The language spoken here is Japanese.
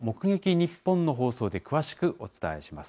にっぽんの放送で詳しくお伝えします。